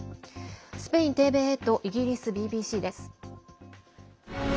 スペインＴＶＥとイギリスＢＢＣです。